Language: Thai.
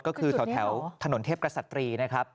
ก็คือแถวถนนเทพกษัตรีนะครับ